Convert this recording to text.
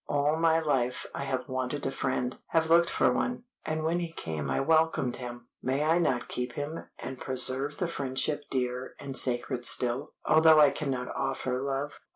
All my life I have wanted a friend, have looked for one, and when he came I welcomed him. May I not keep him, and preserve the friendship dear and sacred still, although I cannot offer love?"